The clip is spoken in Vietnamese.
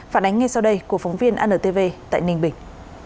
phản ánh ngay sau đây của phóng viên antv tại ninh bình